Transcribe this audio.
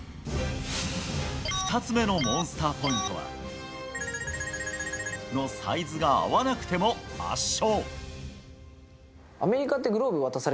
２つ目のモンスターポイントは○○のサイズが合わなくても圧勝。